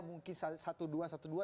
mungkin satu dua satu dua